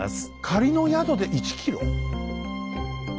仮の宿で１キロ？